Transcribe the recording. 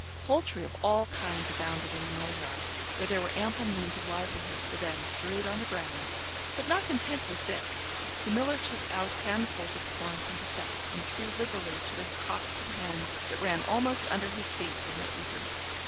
Poultry of all kinds abounded in the mill yard, where there were ample means of livelihood for them strewed on the ground; but not content with this, the miller took out handfuls of corn from the sacks, and threw liberally to the cocks and hens that ran almost under his feet in their eagerness.